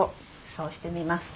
そうしてみます。